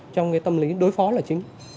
trong cái tâm lý đối phó là chính